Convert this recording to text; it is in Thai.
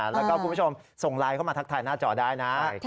แล้วก็คุณผู้ชมส่งไลน์เข้ามาทักทายหน้าจอได้นะ